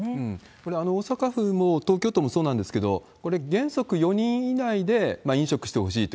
これ、大阪府も東京都もそうなんですけど、これ、原則４人以内で飲食してほしいと。